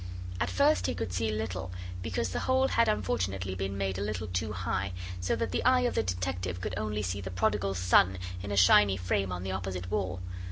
At first he could see little, because the hole had unfortunately been made a little too high, so that the eye of the detective could only see the Prodigal Son in a shiny frame on the opposite wall.